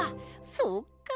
そっか。